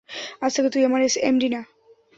আজ থেকে তুই আমার এমডি না।